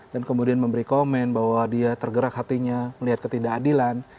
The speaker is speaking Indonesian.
dan kemudian memberi komen bahwa dia tergerak hatinya melihat ketidakadilan